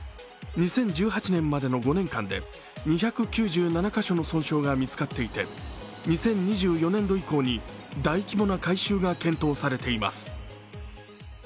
２０１８年までの５年間で２９７カ所の損傷が見つかっていて２０２４年度以降に大規模な改修が検討されています。